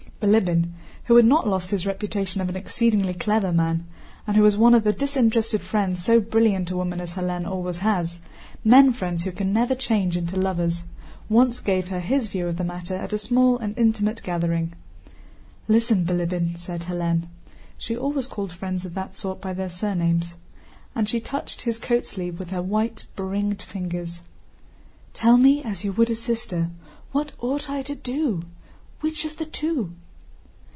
Bilíbin, who had not lost his reputation of an exceedingly clever man, and who was one of the disinterested friends so brilliant a woman as Hélène always has—men friends who can never change into lovers—once gave her his view of the matter at a small and intimate gathering. "Listen, Bilíbin," said Hélène (she always called friends of that sort by their surnames), and she touched his coat sleeve with her white, beringed fingers. "Tell me, as you would a sister, what I ought to do. Which of the two?"